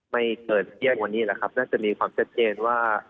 ไม่เกินเที่ยงวันนี้แหละครับน่าจะมีความชัดเจนว่า